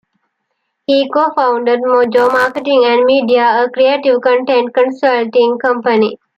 He co-founded MoJo Marketing and Media, a creative content consulting company.